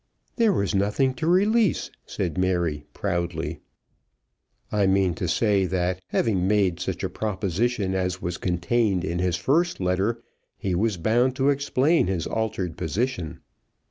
"There was nothing to release," said Mary, proudly. "I mean to say that having made such a proposition as was contained in his first letter, he was bound to explain his altered position."